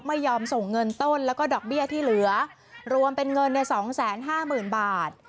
ไม่ยอมส่งเงินต้นแล้วก็ดอกเบี้ยที่เหลือรวมเป็นเงิน๒๕๐๐๐บาท